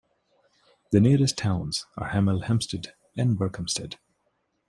The nearest towns are Hemel Hempstead and Berkhamsted.